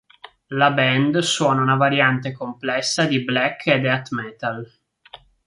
La band suona una variante complessa di black e death metal.